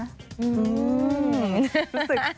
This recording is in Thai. รู้สึกสวยรู้สึกชนะ